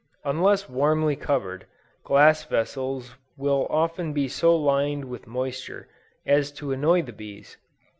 Unless warmly covered, glass vessels will often be so lined with moisture, as to annoy the bees.